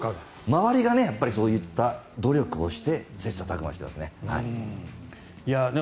周りがそういった努力をして切磋琢磨していますね。